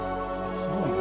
すごいね。